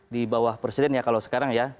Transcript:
di bawah presiden ya kalau sekarang ya